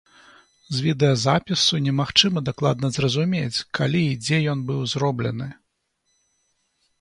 З відэазапісу немагчыма дакладна зразумець, калі і дзе ён быў зроблены.